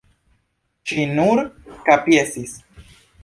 Ŝi nur kapjesis.